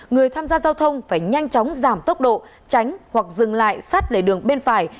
người tham gia giao thông phải nhanh chóng giảm tốc độ tránh hoặc dừng lại sát lề đường bên phải